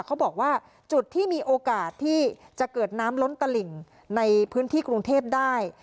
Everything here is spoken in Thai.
เขาบอกว่าจุดที่มีโอกาสที่จะเกิดน้ำล้นตลิ่งในพื้นที่กรุงเทพได้